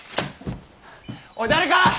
おい誰か！